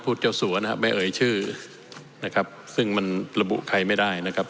เจ้าสัวนะครับไม่เอ่ยชื่อนะครับซึ่งมันระบุใครไม่ได้นะครับ